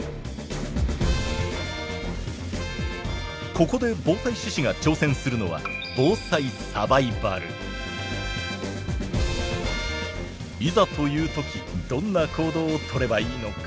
ここで防災志士が挑戦するのはいざという時どんな行動をとればいいのか？